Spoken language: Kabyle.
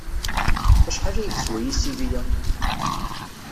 Acḥal ay yeswa yisili-a?